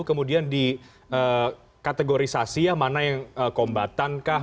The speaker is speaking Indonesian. kemudian dikategorisasi ya mana yang kombatankah